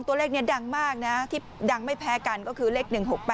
ตัวเลขนี้ดังมากนะที่ดังไม่แพ้กันก็คือเลข๑๖๘